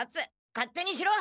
勝手にしろ！